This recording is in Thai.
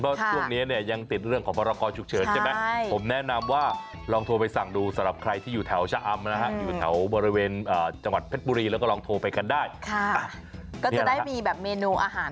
โปรดติดตามกันได้ในช่วงตลอดกิน